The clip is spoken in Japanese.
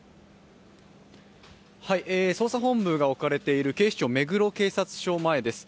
捜査本部が置かれている警視庁目黒警察署前です。